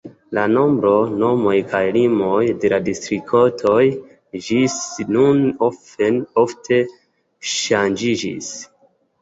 La nombro, nomoj kaj limoj de la distriktoj ĝis nun ofte ŝanĝiĝis.